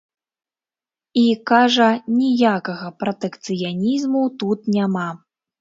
І, кажа, ніякага пратэкцыянізму тут няма.